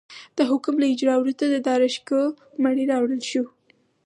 د حکم له اجرا وروسته د داراشکوه مړی راوړل شو.